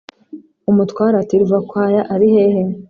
umutware ati"ruvakwaya arihehe?"